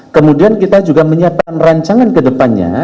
kemudian kita juga menyiapkan rancangan ke depannya